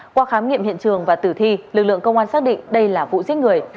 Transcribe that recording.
qua khám nghiệm hiện trường và tử thi lực lượng công an xác định đây là vụ giết người